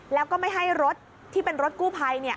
แล้วก็ไม่ให้รถที่เป็นรถกู้ภัย